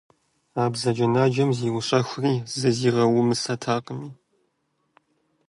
А бзаджэнаджэм зиущэхури зызигъэумысатэкъыми.